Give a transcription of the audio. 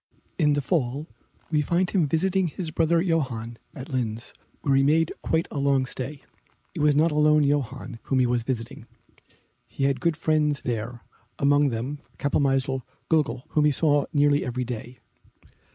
In the fall we find him visiting his brother Johann at Linz, where he made quite a long stay. It was not alone Johann whom he was visiting; he had good friends there, among them Kapellmeister Glöggl, whom he saw nearly every day.